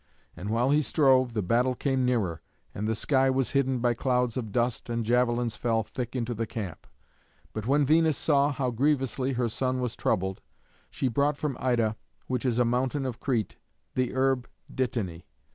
And while he strove, the battle came nearer, and the sky was hidden by clouds of dust, and javelins fell thick into the camp. But when Venus saw how grievously her son was troubled, she brought from Ida, which is a mountain of Crete, the herb dittany.